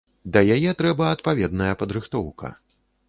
Да яе трэба адпаведная падрыхтоўка.